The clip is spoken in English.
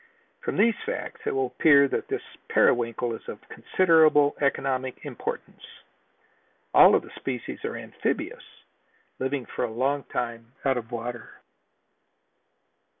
From these facts it will appear that this periwinkle is of considerable economic importance. All of the species are amphibious, living for a long time out of the water.